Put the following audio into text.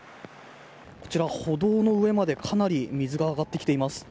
こちら、歩道の上までかなり水が上がってきています。